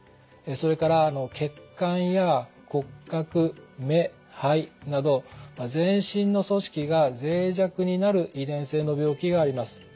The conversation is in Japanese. それから血管や骨格目肺など全身の組織がぜい弱になる遺伝性の病気があります。